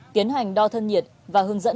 kiến hành đo thân nhiệt và hướng dẫn